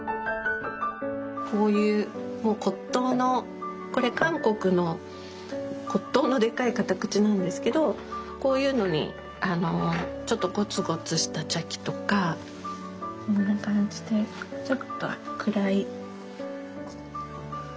こういう骨とうのこれ韓国の骨とうのでっかい片口なんですけどこういうのにちょっとゴツゴツした茶器とかこんな感じでちょっと暗い暗めのものとかでする時もありますし。